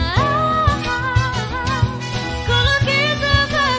kata cinta yang tumbuh di setiap saat